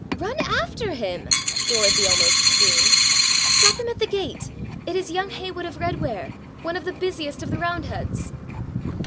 'Run after him,' Dorothy almost screamed. 'Stop him at the gate. It is young Heywood of Redware, one of the busiest of the round heads.'